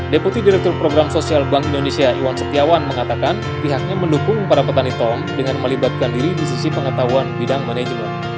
deputi direktur program sosial bank indonesia iwan setiawan mengatakan pihaknya mendukung para petani tong dengan melibatkan diri di sisi pengetahuan bidang manajemen